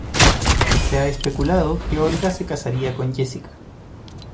Se ha especulado que Olga se casaría con Jessica.